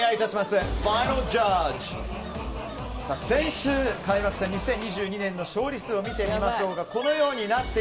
先週開幕した２０２２年の勝利数を見てみましょうか。